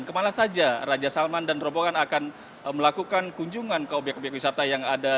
kemana saja raja salman dan rombongan akan melakukan kunjungan ke obyek obyek wisata yang ada